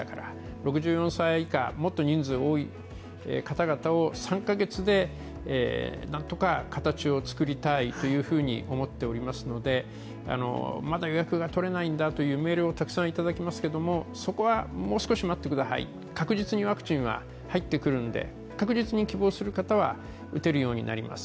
６４歳以下、もっと人数多い方々を３カ月でなんとか、形を作りたいと思っておりますのでまだ予約が取れないんだというメールをたくさんいただきますけどもそこはもう少し待ってください、確実にワクチンは入ってきますので確実に希望する方は打てるようになります。